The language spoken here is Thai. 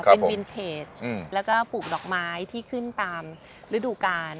เป็นวินเทจแล้วก็ปลูกดอกไม้ที่ขึ้นตามฤดูกาล